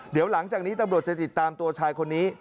เดี๋ยวหลังจากนี้ตำรวจจะติดตามตัวชายคนนี้